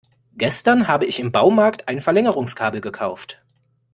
Gestern habe ich im Baumarkt ein Verlängerungskabel gekauft.